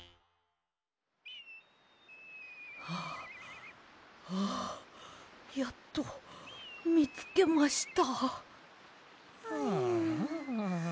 はあはあやっとみつけました。